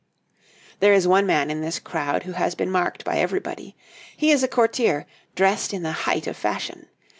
}] There is one man in this crowd who has been marked by everybody. He is a courtier, dressed in the height of fashion.